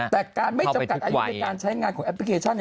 แต่การไม่จำกัดอายุในการใช้งานของแอปพลิเคชัน